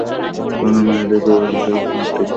কেননা, নারীদেরকে পাঁজরের হাড় থেকে সৃষ্টি করা হয়েছে।